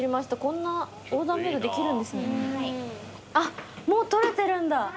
あっもう取れてるんだ。